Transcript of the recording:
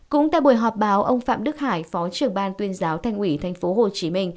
cũng tại buổi họp báo ông phạm đức hải phó trưởng ban tuyên giáo thành ủy tp hcm